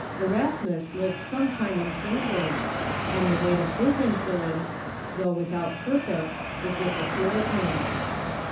Erasmus lived some time in Cambridge, and the Aveight of his influence, though without purpose, was with the Puritans.